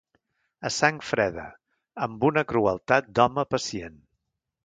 A sang freda, amb una crueltat d'home pacient.